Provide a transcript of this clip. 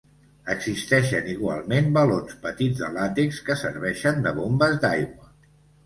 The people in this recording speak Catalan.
Existeixen igualment balons petits de làtex que serveixen de bombes d'aigua.